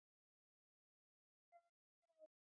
دا د بودیجوي اجناسو د سند برابرول اسانوي.